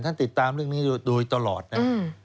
ติดตามเรื่องนี้โดยตลอดนะ